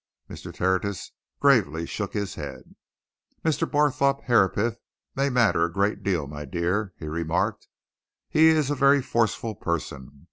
Mr. Tertius gravely shook his head. "Mr. Barthorpe Herapath may matter a great deal, my dear," he remarked. "He is a very forceful person.